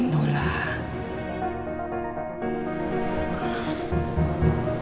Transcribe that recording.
tante baik banget sih